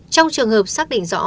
trong trường hợp xác định rõ